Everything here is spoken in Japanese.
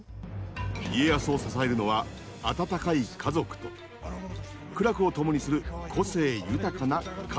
家康を支えるのは温かい家族と苦楽を共にする個性豊かな家臣たち。